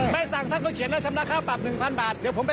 ไม่ซังท่านเขาเขียนแล้ว